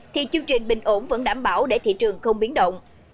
thì chương trình bình ổn vẫn đảm bảo để thị trường không biến động